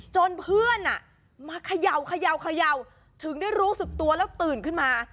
จนเพื่อนมาเขย่าถึงได้รู้สึกตัวแล้วตื่นขึ้นมา